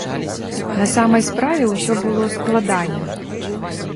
На самай справе ўсё было складаней.